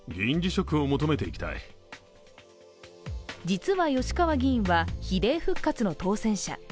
実は吉川議員は比例復活の当選者。